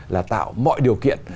là tạo mọi điều kiện